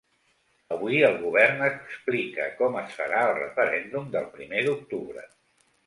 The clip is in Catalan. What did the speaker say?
Avui el govern explica com es farà el referèndum del primer d’octubre.